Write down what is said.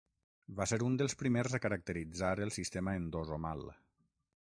Va ser un dels primers a caracteritzar el sistema endosomal.